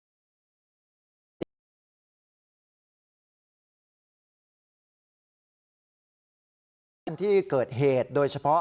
อันที่เกิดเหตุโดยเฉพาะอันที่เกิดเหตุโดยเฉพาะ